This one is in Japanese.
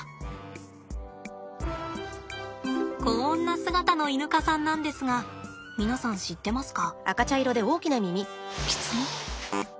こんな姿のイヌ科さんなんですが皆さん知ってますか？